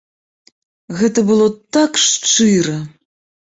Гэта было так шчыра!